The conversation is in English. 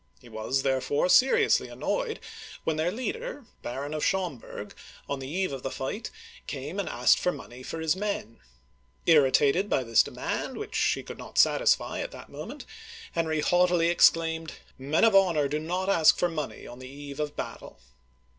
He was, therefore, seriously annoyed when their Digitized by Google HENRY IV. (1589 1610) 283 leader, Baron, of Schom'berg, on the eve of the fight, came and asked for money for his men. Irritated by this de mand, which he could not satisfy at that moment, Henry haughtily exclaimed: "Men of honor do not ask for money on the eve of battle!'